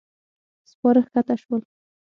سپاره کښته شول.